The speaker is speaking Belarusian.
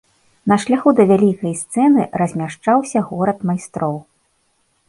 На шляху да вялікай сцэны размяшчаўся горад майстроў.